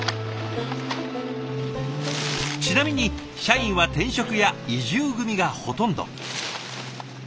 ちなみに社員は転職や移住組がほとんど。